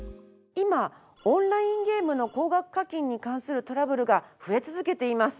今オンラインゲームの高額課金に関するトラブルが増え続けています。